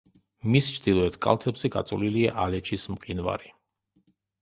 მის ჩრდილოეთ კალთებზე გაწოლილია ალეჩის მყინვარი.